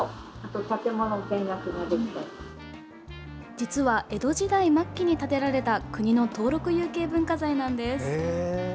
実は江戸時代末期に建てられた国の登録有形文化財なんです。